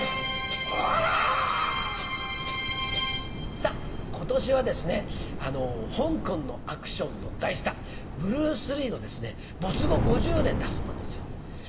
さぁ今年はですね香港のアクションの大スターブルース・リーの没後５０年だそうなんですよ。